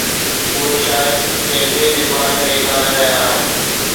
اهي شايد ڪنهن ٻئي جي باري ۾ ڳالهائي رهيا آهن.